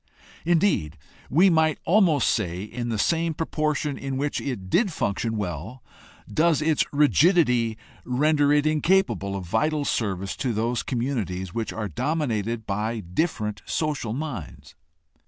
Indeed, we might almost say, in the same proportion in which it did function well does its rigidity render it incapable of vital service to those communities which are dominated by different social minds.